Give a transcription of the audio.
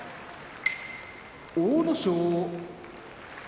阿武咲